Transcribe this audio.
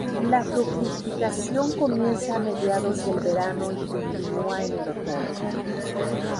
La fructificación comienza a mediados del verano y continua en el otoño.